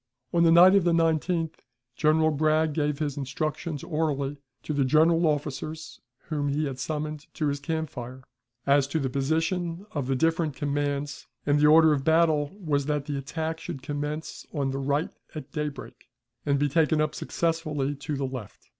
On the night of the 19th General Bragg gave his instructions orally, to the general officers whom he had summoned to his camp fire, as to the position of the different commands; and the order of battle was that the attack should commence on the right at daybreak, and be taken up successively to the left.